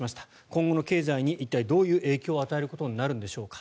今後の経済に一体、どういう影響を与えることになるんでしょうか。